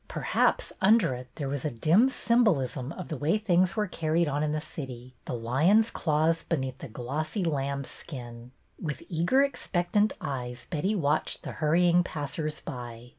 Perhaps, under it, there was a dim symbolism of the way things were carried on in the city, — the lion's claws beneath the glossy lamb's skin. With eager, expectant eyes Betty watched the hurrying passers by.